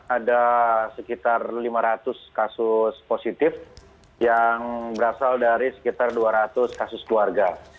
ada sekitar lima ratus kasus positif yang berasal dari sekitar dua ratus kasus keluarga